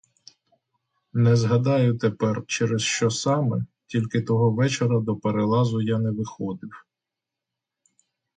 Не згадаю тепер, через що саме, тільки того вечора до перелазу я не виходив.